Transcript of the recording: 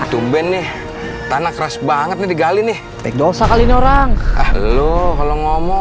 atuh ben nih tanah keras banget nih gali nih dosa kali orang ah lu kalau ngomong